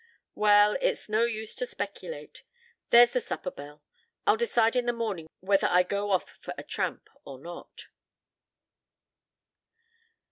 "Well, it's no use to speculate. There's the supper bell. I'll decide in the morning whether I go off for a tramp or not."